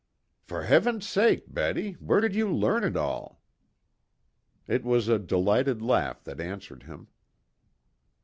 "For Heaven's sake, Betty, where did you learn it all?" It was a delighted laugh that answered him.